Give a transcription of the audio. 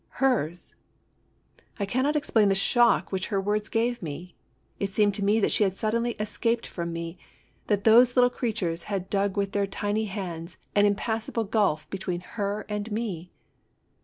Hers! I cannot explain the shock which her words gave me. It seemed to me that she had suddenly es caped from me, that those little creatures had dug with their tiny hands an impassable gulf between her and me